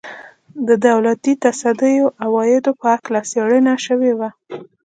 د دولتي تصدیو عوایدو په هکله څېړنه شوې وه.